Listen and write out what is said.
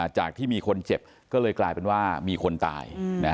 จากที่มีคนเจ็บก็เลยกลายเป็นว่ามีคนตาย